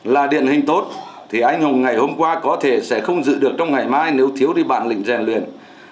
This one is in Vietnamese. là điện hình tốt thì anh hùng ngày hôm qua có thể sẽ không giữ được trong ngày mai nếu thiếu đi bạn lịnh rèn luyền